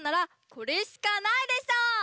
これしかないでしょ！